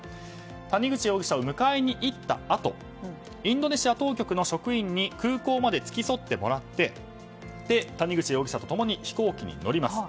谷口容疑者を迎えに行ったあとインドネシア当局の職員に空港まで付き添ってもらって谷口容疑者と共に飛行機に乗ります。